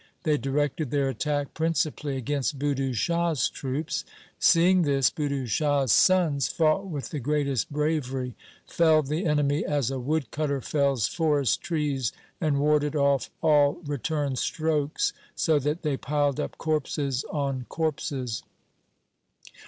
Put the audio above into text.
They directed their attack principally against Budhu Shah's troops. Seeing this, Budhu Shah's sons fought with the greatest bravery, felled the enemy as a woodcutter fells forest trees, and warded off all return strokes, so that they piled up corpses on corpses.